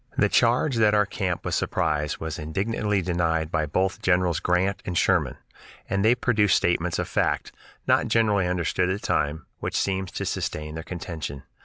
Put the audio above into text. The charge that our camp was surprised was indignantly denied by both Generals Grant and Sherman, and they produce statements of fact, not generally understood at the time, which seem to sustain their contention.